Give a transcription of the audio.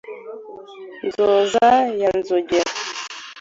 Nzoza ya Nzogera